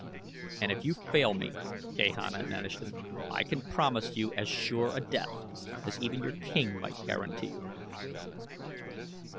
"And if you fail me," Gahan admonished him, "I can promise you as sure a death as even your king might guarantee you."